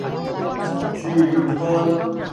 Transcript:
豬肉乾